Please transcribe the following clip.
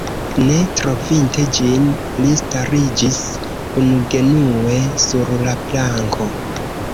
Ne trovinte ĝin, li stariĝis unugenue sur la planko.